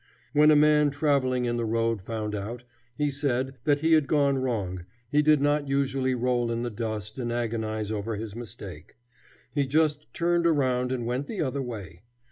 When a man travelling in the road found out, he said, that he had gone wrong, he did not usually roll in the dust and agonize over his mistake; he just turned around and went the other way.